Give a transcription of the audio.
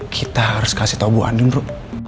kita harus kasih tahu bu andin bu